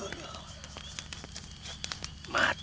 apaan kek apaan sih